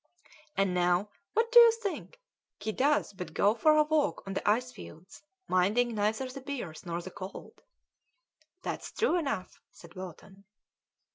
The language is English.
"And now what do you think he does but go for a walk on the ice fields, minding neither the bears nor the cold?" "That's true enough," said Bolton.